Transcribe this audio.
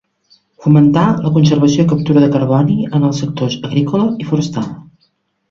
Fomentar la conservació i captura de carboni en els sectors agrícola i forestal.